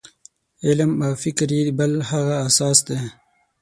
علم او فکر یې بل هغه اساس دی.